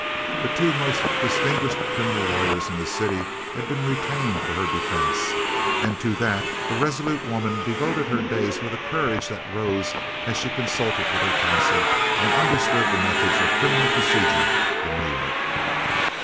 The two most distinguished criminal lawyers in the city had been retained for her defence, and to that the resolute woman devoted her days with a courage that rose as she consulted with her counsel and understood the methods of criminal procedure in New York.